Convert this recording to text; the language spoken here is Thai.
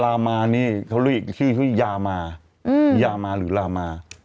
ลามานี่เขาเรียกอีกชื่อคือยามายามาหรือลามา